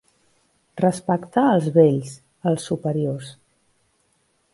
Respectar els vells, els superiors.